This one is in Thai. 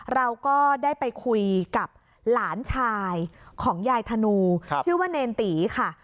เราก็ได้ไปคุยกับหลานชายของยายธนูชื่อว่าเนรตีค่ะ